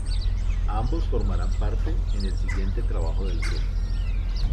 Ambos formarán parte en el siguiente trabajo del grupo.